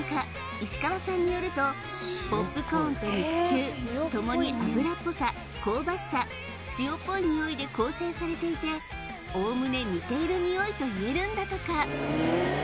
石川さんによるとポップコーンと肉球共に油っぽさ香ばしさ塩っぽいニオイで構成されていておおむね似ているニオイといえるんだとか